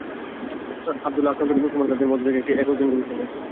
আব্দুল্লাহ আক্রান্ত হলে মুসলমানরা তাদের মধ্য থেকে একজনকে সেনাপতি নির্বাচন করে নিবে।